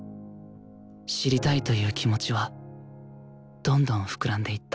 「知りたい」という気持ちはどんどん膨らんでいった